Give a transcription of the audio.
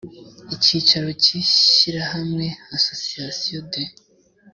icyicaro cy ishyirahamwe association des